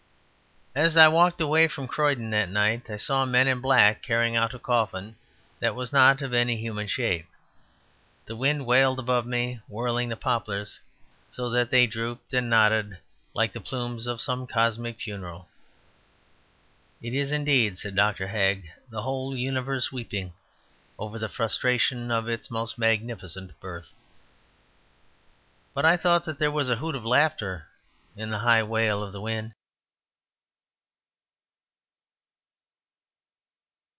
As I walked away from Croydon that night I saw men in black carrying out a coffin that was not of any human shape. The wind wailed above me, whirling the poplars, so that they drooped and nodded like the plumes of some cosmic funeral. "It is, indeed," said Dr. Hagg, "the whole universe weeping over the frustration of its most magnificent birth." But I thought that there was a hoot of laughter in the high wail of the wind.